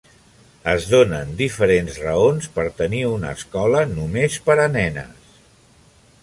Es donen diferents raons per tenir una escola només per a nenes.